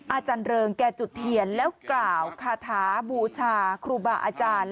อาจารย์เริงแกจุดเทียนแล้วกล่าวคาถาบูชาครูบาอาจารย์